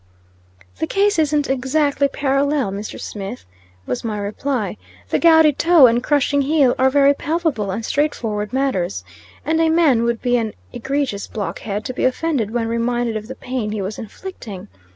"The case isn't exactly parallel, Mr. Smith," was my reply. "The gouty toe and crushing heel are very palpable and straightforward matters, and a man would be an egregious blockhead to be offended when reminded of the pain he was inflicting.